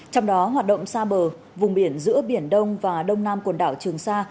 trong đó hoạt động xa bờ vùng biển giữa biển đông và đông nam quần đảo trường sa